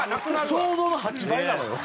想像の８倍なのよ。